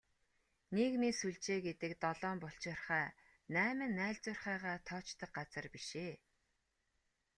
Нийгмийн сүлжээ гэдэг долоон булчирхай, найман найлзуурхайгаа тоочдог газар биш ээ.